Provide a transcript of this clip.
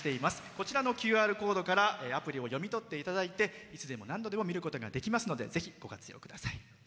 こちらのＱＲコードからアプリを読み取っていただいていつでも何度でも見ることができますのでぜひ、ご活用ください。